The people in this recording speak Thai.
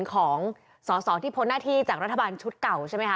ของสอสอที่พ้นหน้าที่จากรัฐบาลชุดเก่าใช่ไหมค